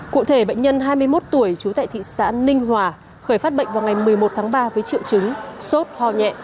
cụ thể bệnh nhân hai mươi một tuổi trú tại thị xã ninh hòa khởi phát bệnh vào ngày một mươi một tháng ba với triệu chứng sốt ho nhẹ